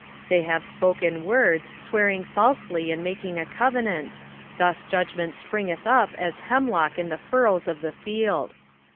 10:4 They have spoken words, swearing falsely in making a covenant: thus judgment springeth up as hemlock in the furrows of the field.